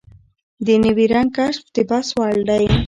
د نوي رنګ کشف د بحث وړ دی.